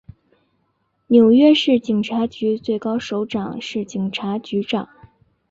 纽约市警察局最高首长是警察局长。